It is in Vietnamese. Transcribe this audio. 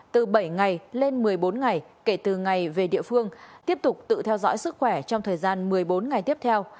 từ bảy ngày lên một mươi bốn ngày kể từ ngày về địa phương tiếp tục tự theo dõi sức khỏe trong thời gian một mươi bốn ngày tiếp theo